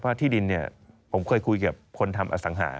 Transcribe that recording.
ที่ดินผมเคยคุยกับคนทำอสังหา